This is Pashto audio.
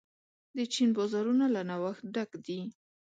د چین بازارونه له نوښت ډک دي.